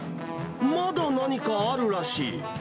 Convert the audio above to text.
まだ何かあるらしい。